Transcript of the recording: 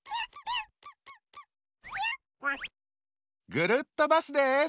ぐるっとバスです！